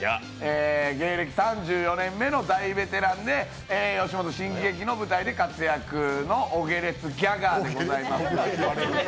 芸歴３４年目の大ベテランで吉本新喜劇の舞台で活躍のお下劣ギャガーでございます。